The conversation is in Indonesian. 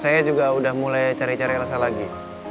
saya juga udah mulai cari cari rasa lagi